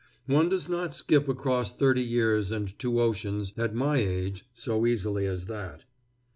One does not skip across thirty years and two oceans, at my age, so easily as that.